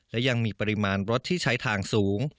และยังมีปริมาณรถที่ใช้ทางสูง